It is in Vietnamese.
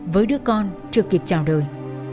với đứa con chưa kịp chào đời